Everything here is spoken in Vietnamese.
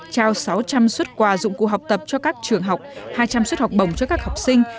trao sáu trăm linh xuất quà dụng cụ học tập cho các trường học hai trăm linh suất học bổng cho các học sinh